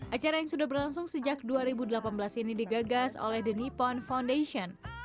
acara yang sudah berlangsung sejak dua ribu delapan belas ini digagas oleh the nippon foundation